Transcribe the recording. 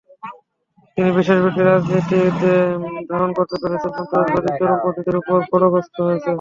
তিনি বিশ্বাসভিত্তিক রাজনীতিকে ধারণ করতে পেরেছেন, সন্ত্রাসবাদী চরমপন্থীদের ওপর খড়্গহস্ত হয়েছেন।